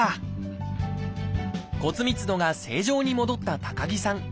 骨密度が正常に戻った高木さん。